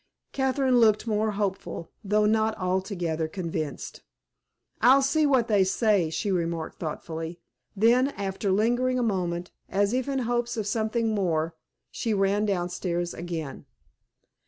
Catherine looked more hopeful, though not altogether convinced. "I'll see what they say," she remarked thoughtfully. Then, after lingering a moment, as if in hopes of something more, she ran downstairs again.